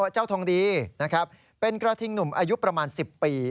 เจ้าทองดีนะครับเป็นกระทิงหนุ่มอายุประมาณ๑๐ปี